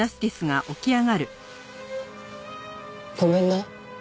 ごめんな。